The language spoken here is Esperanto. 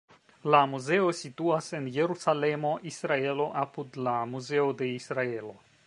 La muzeo situas en Jerusalemo, Israelo, apud la Muzeo de Israelo.